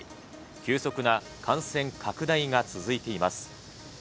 急速な感染拡大が続いています。